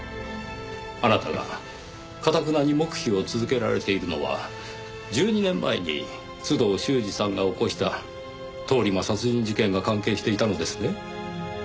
あなたが頑なに黙秘を続けられているのは１２年前に須藤修史さんが起こした通り魔殺人事件が関係していたのですね。